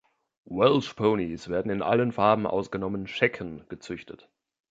Welsh-Ponys werden in allen Farben, ausgenommen Schecken, gezüchtet.